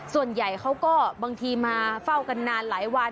ส่วนใหญ่เขาก็บางทีมาเฝ้ากันนานหลายวัน